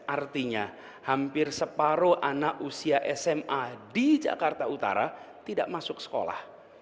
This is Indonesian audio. artinya hampir separuh anak usia sma di jakarta utara tidak masuk sekolah